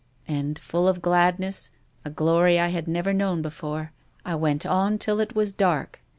" And, full of gladness, a glory I had never known before, I went on till it was dark.